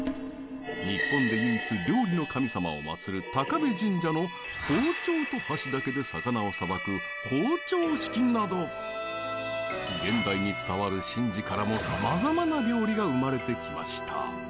日本で唯一、料理の神様を祭る高家神社の包丁と箸だけで魚をさばく庖丁式など現代に伝わる神事からもさまざまな料理が生まれてきました。